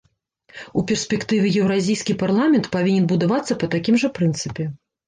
У перспектыве еўразійскі парламент павінен будавацца па такім жа прынцыпе.